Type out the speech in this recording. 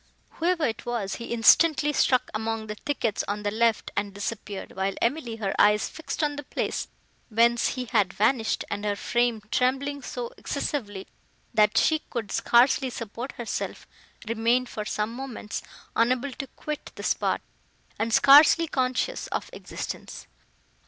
Whoever it was, he instantly struck among the thickets on the left, and disappeared, while Emily, her eyes fixed on the place, whence he had vanished, and her frame trembling so excessively, that she could scarcely support herself, remained, for some moments, unable to quit the spot, and scarcely conscious of existence.